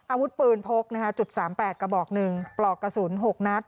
อาวุธปืนพกจุด๓๘กระบอก๑ปลอกกระสุน๖นัด